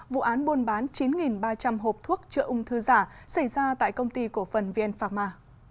vụ án buôn bán chín ba trăm linh hộp thuốc chữa ung thư giả xảy ra tại công ty cổ phần vn pharma